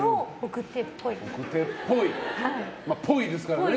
っぽいですからね。